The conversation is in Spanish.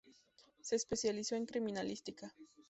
Se especializó en criminalística.